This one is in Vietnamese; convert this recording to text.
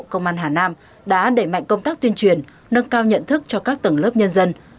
công an hà nam đã đẩy mạnh công tác tuyên truyền nâng cao nhận thức cho các tầng lớp nhân dân